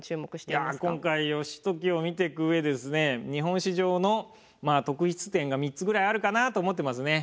いや今回義時を見ていく上でですね日本史上の特筆点が３つぐらいあるかなと思ってますね。